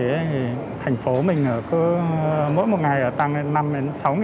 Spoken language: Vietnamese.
thì thành phố mình ở cứ mỗi một ngày tăng lên năm sáu ca